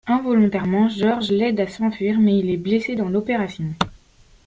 Involontairement, Georges l’aide à s’enfuir, mais il est blessé dans l’opération.